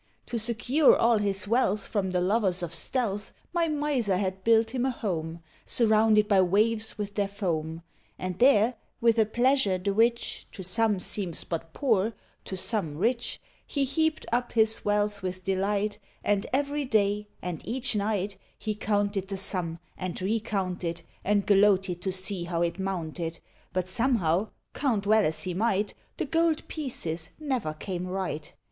To secure all his wealth from the lovers of stealth, My Miser had built him a home, Surrounded by waves with their foam, And there with a pleasure the which To some seems but poor, to some rich, He heaped up his wealth with delight, And every day, and each night, He counted the sum, and re counted, And gloated to see how it mounted; But, somehow, count well as he might, The gold pieces never came right.